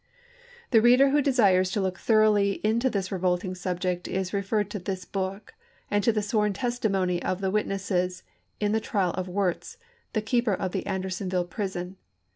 The reader who desires to look thoroughly into this revolting subject is re ferred to this book, and to the sworn testimony of the witnesses in the trial of Wirz, the keeper of the Andersonville prison.